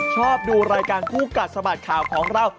ชอบดูกรดกัดสมัครของเรา